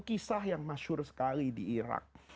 kisah yang masyur sekali di irak